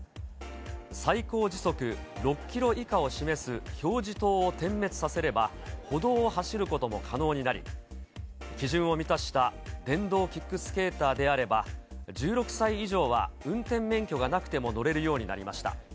最高時速６キロ以下を示す表示灯を点滅させれば、歩道を走ることも可能になり、基準を満たした電動キックスケーターであれば、１６歳以上は運転免許がなくても乗れるようになりました。